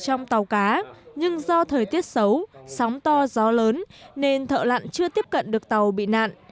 trong tàu cá nhưng do thời tiết xấu sóng to gió lớn nên thợ lặn chưa tiếp cận được tàu bị nạn